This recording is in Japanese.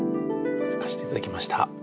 書かせて頂きました。